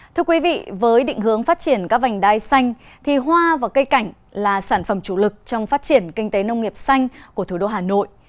thưa quý vị với định hướng phát triển các vành đai xanh thì hoa và cây cảnh là sản phẩm chủ lực trong phát triển kinh tế nông nghiệp xanh của thủ đô hà nội